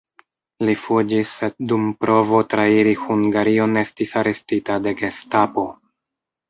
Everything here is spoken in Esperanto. Li fuĝis, sed dum provo trairi Hungarion estis arestita de Gestapo.